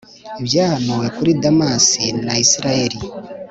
Ibyahanuwe kuri Damasi na Israheli